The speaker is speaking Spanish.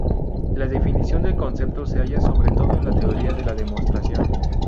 La definición del concepto se halla sobre todo en la teoría de la demostración.